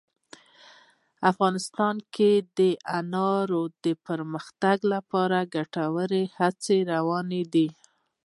افغانستان کې د انارو د پرمختګ لپاره ګټورې هڅې روانې دي.